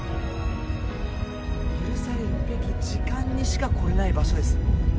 許されるべき時間にしか来れない場所です。